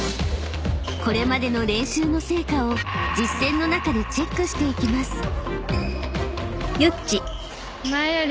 ［これまでの練習の成果を実戦の中でチェックしていきます］